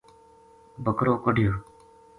بکرو کڈھہو